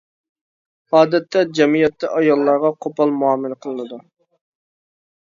ئادەتتە جەمئىيەتتە ئاياللارغا قوپال مۇئامىلە قىلىنىدۇ.